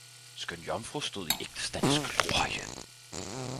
Skønjomfru stod i ægtestands glorie